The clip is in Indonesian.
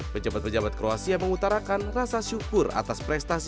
pejabat pejabat kroasia mengutarakan rasa syukur atas prestasi